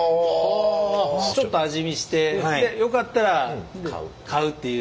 ちょっと味見してでよかったら買うっていう。